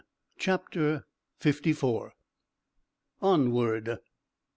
CHAPTER FIFTY FOUR. ONWARD.